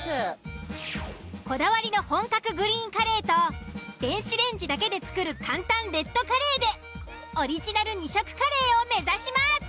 こだわりの本格グリーンカレーと電子レンジだけで作る簡単レッドカレーでオリジナル２色カレーを目指します。